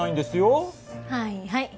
はいはい。